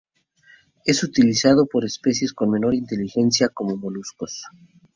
Es utilizado por especies con menor inteligencia como los moluscos.